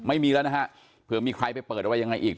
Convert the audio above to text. ไม่มีแล้วนะฮะเผื่อมีใครไปเปิดอะไรยังไงอีก